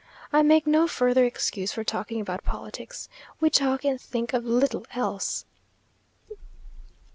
I make no further excuse for talking about politics. We talk and think of little else.